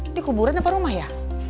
ini kuburan apa rumah ya